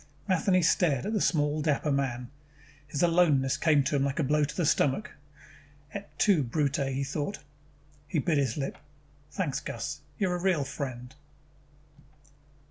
Matheny stared at the small dapper man. His aloneness came to him like a blow in the stomach. Et tu, Brute, he thought. He bit his lip. "Thanks, Gus," he said. "You are a real friend."